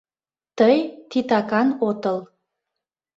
Тый титакан отыл.